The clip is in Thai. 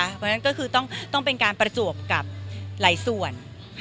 เพราะฉะนั้นก็คือต้องเป็นการประจวบกับหลายส่วน